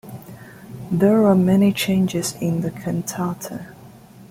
There are many changes in the cantata.